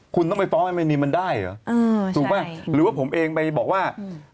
คุณต้องไปฟ้องไอเมนีมันได้เหรอถูกป่ะหรือว่าผมเองไปบอกว่า